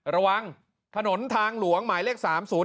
ระวังถนนทางหลวงหมายเลข๓๐๔